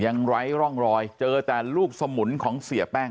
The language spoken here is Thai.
ไร้ร่องรอยเจอแต่ลูกสมุนของเสียแป้ง